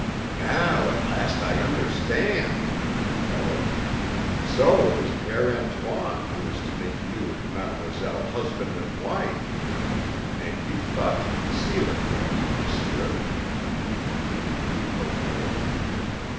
"Now at last I understand!" he bellowed. "So it is Père Antoine who is to make you and mademoiselle husband and wife! And you thought to conceal it from me, monsieur!" he continued reproachfully.